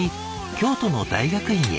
京都の大学院へ。